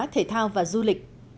thể thao và du lịch